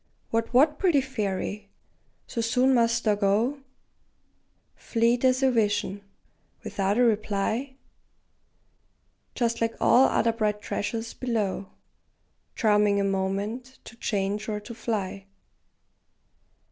What, what, pretty fairy! so soon must thou go, Fleet as a vision, without a reply, Just like all other bright treasures below, Charming a moment, to change or to fly?